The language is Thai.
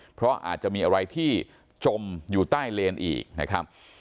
เพราะอาจจะมีอะไรที่จมอยู่ใต้เลนอีกนะครับ